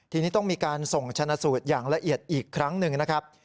ทีนี้ต้องมีการส่งชนะสูตรอย่างละเอียดอีกครั้งหนึ่งนะครับ